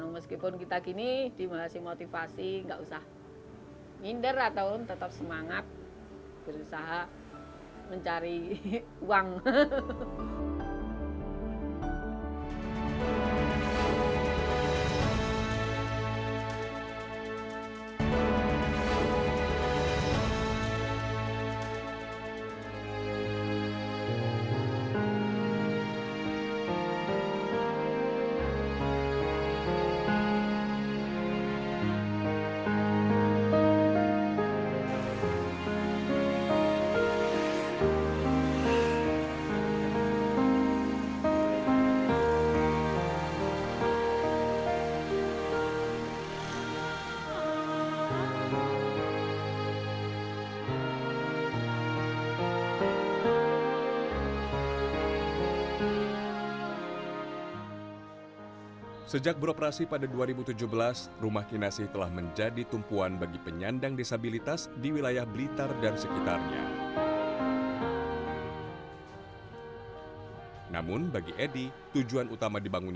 meskipun kita gini dimulai motivasi nggak usah minder atau tetap semangat berusaha mencari uang